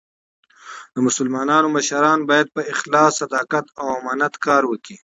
د مسلمانانو مشران باید په اخلاص، صداقت او امانت کار وکي.